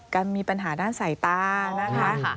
การมีปัญหาด้านสายตานะคะ